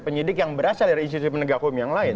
penyidik yang berasal dari institusi penegak hukum yang lain